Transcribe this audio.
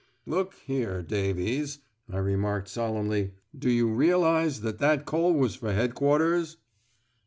"Look here Davies," I remarked solemnly, "do you realise that that coal was for headquarters